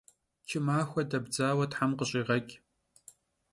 Çı maxue debdzaue them khış'iğeç'!